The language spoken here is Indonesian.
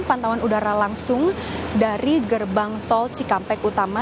pantauan udara langsung dari gerbang tol cikampek utama